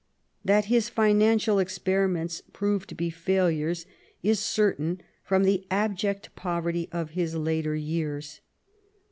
That his financial experiments proved to be failures, is certain from the abject poverty of his later years.